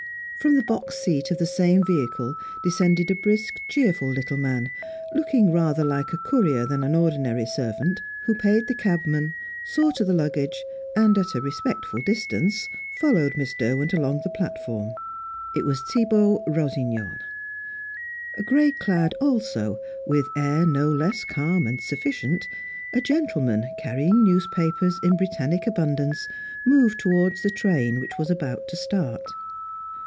From the box seat of the same vehicle descended a brisk, cheerful little man, looking rather like a courier than an ordinary servant, who paid the cabman, saw to the luggage, and, at a respectful distance, followed Miss Derwent along the platform; it was Thibaut Rossignol. Grey clad also, with air no less calm and sufficient, a gentleman carrying newspapers in Britannic abundance moved towards the train which was about to start.